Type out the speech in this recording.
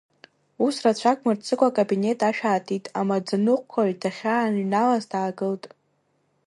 Ус рацәак мырҵыкәа акабинет ашә аатит, амаӡаныҟәгаҩ дахьааҩналаз даагылт.